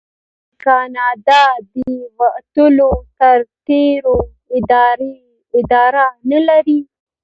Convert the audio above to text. آیا کاناډا د وتلو سرتیرو اداره نلري؟